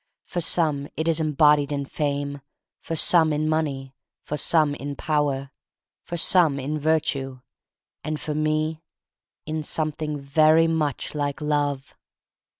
For some it is embodied in Fame, for some in Money, for some in Power, for some in Virtue — and for me in some thing very much like love.